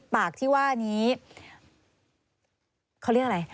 ปากที่ว่านี้เขาเรียกอะไร